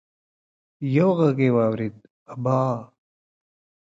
يو غږ يې واورېد: ابا!